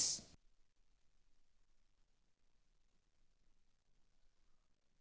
pertanyaan pertama dari tim panelis adalah